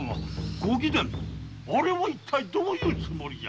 ご貴殿あれは一体どういうつもりじゃ。